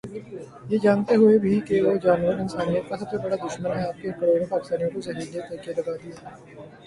یہ جانتے ہوئے بھی کہ وہ جانور انسانیت کا سب سے بڑا دشمن ہے آپ نے کروڑوں پاکستانیوں کو زہریلے ٹیکے لگا دیے۔۔